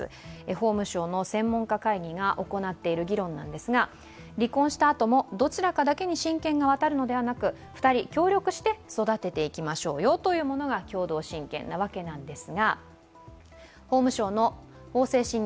法務省の専門家会議が行っている議論なんですが離婚したあとも、どちらかだけに親権が渡るのではなく２人協力して育てていきましょうよというのが共同親権です。